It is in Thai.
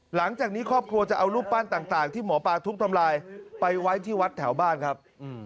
หลังจากนี้ครอบครัวจะเอารูปปั้นต่างที่หมอปลาทุกข์ทำลายไปไว้ที่วัดแถวบ้านครับ